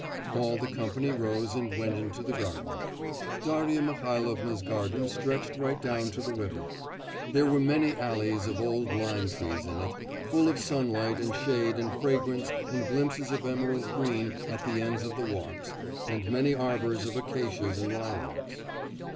All the company rose and went into the garden. Darya Mihailovna's garden stretched right down to the river. There were many alleys of old lime trees in it, full of sunlight and shade and fragrance and glimpses of emerald green at the ends of the walks, and many arbours of acacias and lilacs.